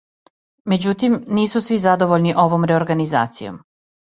Међутим, нису сви задовољни овом реорганизацијом.